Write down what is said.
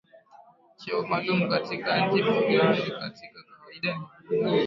cheo maalumu katika nchi fulani Kwa kawaida ni lugha